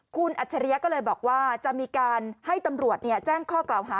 คุณอัจฉริยะก็เลยบอกว่าจะมีการให้ตำรวจแจ้งข้อกล่าวหา